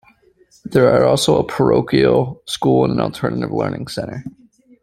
There are also a parochial school and an alternative learning center.